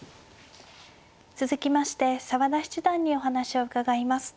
続きまして澤田七段にお話を伺います。